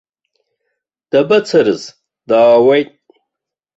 Дабацарыз, даауеит.